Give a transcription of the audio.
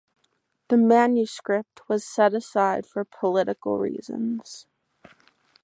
The manuscript was set aside for political reasons.